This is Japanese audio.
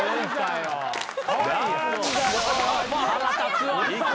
腹立つわ。